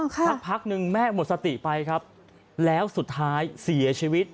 สักพักหนึ่งแม่หมดสติไปครับแล้วสุดท้ายเสียชีวิต